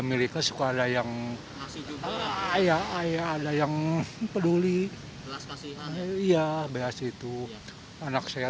miliknya suka ada yang masih juga ya ada yang peduli belas kasihan ya biasanya itu anak saya